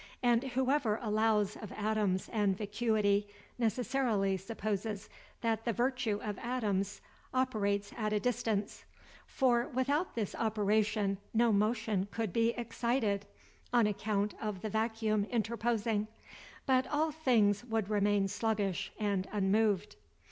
And whoever allows of atoms and vacuity, necessarily supposes that the virtue of atoms operates at a distance; for without this operation, no motion could be excited, on account of the vacuum interposing, but all things would remain sluggish and unmoved.